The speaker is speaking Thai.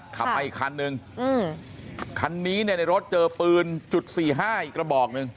ขับมาอีกคันนึงคันนี้เนี่ยในรถเจอปืนจุดสี่ห้าอีกกระบอกหนึ่ง